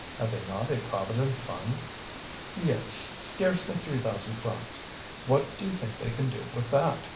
Have they not a Provident Fund?" "Yes, scarcely three thousand francs. What do you think they can do with that?